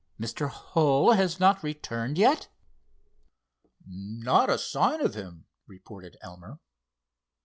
"Mr. Hull has not returned yet?" "Not a sign of him," reported Elmer.